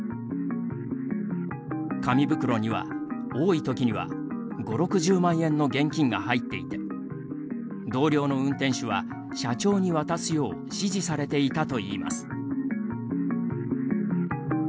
紙袋には、多いときには５０６０万円の現金が入っていて同僚の運転手は、社長に渡すよう指示されていたといいます。